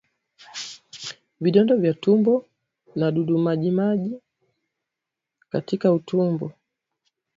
Vidonda vya tumboni na damumajimaji katika utumbo